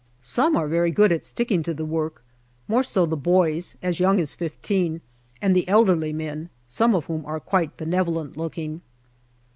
Some are very good at sticking to the work, more so the boys (as young as fifteen) and the elderly men, some of whom are quite benevolent looking.